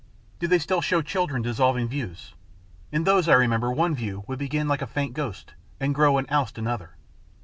Do they still show children dissolving views ? In those I remember one view would begin like a faint ghost, and grow and oust another.